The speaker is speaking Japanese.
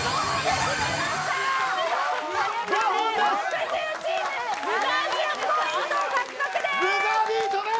木１０チーム７０ポイント獲得です。